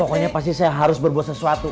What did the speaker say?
pokoknya pasti saya harus berbuat sesuatu